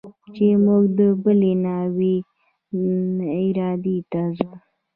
چې موږ د بلې ناوې دايرې ته ځو.